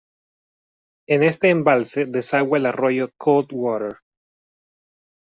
En este embalse desagua el arroyo Coldwater.